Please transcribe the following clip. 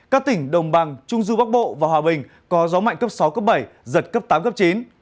các tỉnh đồng bằng trung du bắc bộ và hòa bình có gió mạnh cấp sáu cấp bảy giật cấp tám cấp chín